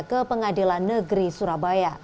ke pengadilan negeri surabaya